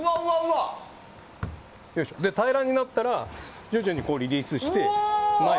平らになったら徐々にリリースして。